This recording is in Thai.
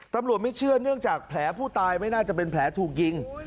ไม่เชื่อเนื่องจากแผลผู้ตายไม่น่าจะเป็นแผลถูกยิง